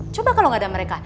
coba kalau nggak ada mereka